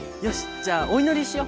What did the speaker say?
じゃあおいのりしよ！